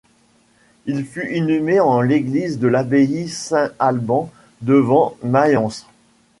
Il fut inhumé en l’église de l'Abbaye Saint-Alban devant Mayence.